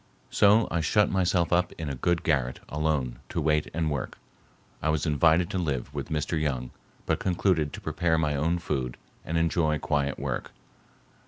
So I shut myself up in a good garret alone to wait and work. I was invited to live with Mr. Young but concluded to prepare my own food and enjoy quiet work.